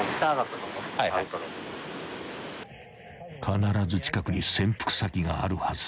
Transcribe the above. ［必ず近くに潜伏先があるはず］